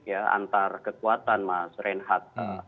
ya antar kekuatan mas reinhardt